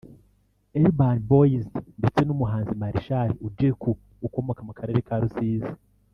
Urban Boyz ndetse n’umuhanzi Marshall Ujeku ukomoka mu Karere ka Rusizi